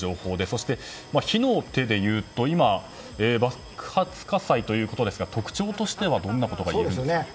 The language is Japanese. そして火の手でいうと爆発火災ということですが特徴としてはどんなことがいえますか？